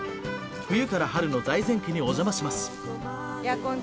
冬から春の財前家にお邪魔します。